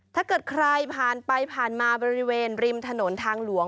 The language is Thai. ถ้าเกิดใครผ่านไปผ่านมาบริเวณริมถนนทางหลวง